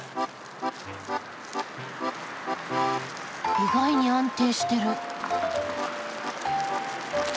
意外に安定してる。